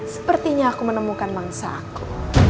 sepertinya aku menemukan mangsaku